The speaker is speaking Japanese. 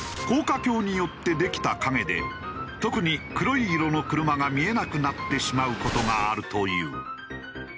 高架橋によってできた影で特に黒い色の車が見えなくなってしまう事があるという。